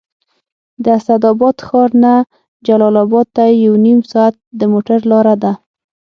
د اسداباد ښار نه جلال اباد ته یو نیم ساعت د موټر لاره ده